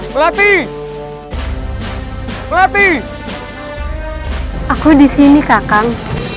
melati melati aku disini kakang